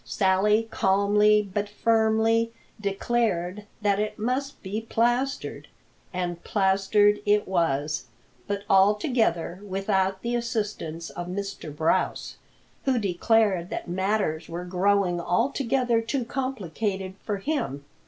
Sally calmly but firmly declared that it must be plastered, and plastered it was, but altogether without the assistance of Mr. Brouse, who declared that matters were growing altogether too complicated for him.